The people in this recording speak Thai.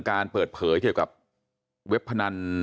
การเปิดเผยเกี่ยวกับเว็บพนัน